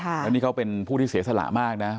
แล้วนี่เขาเป็นผู้ที่เสียสละมากนะ